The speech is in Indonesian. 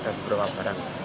ada beberapa barang